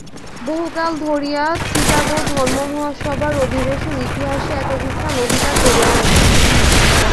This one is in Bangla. বহুকাল ধরিয়া চিকাগো ধর্ম-মহাসভার অধিবেশন ইতিহাসে একক স্থান অধিকার করিয়া থাকিবে।